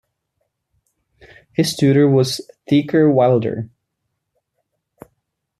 His tutor was Theaker Wilder.